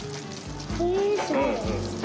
へえすごい。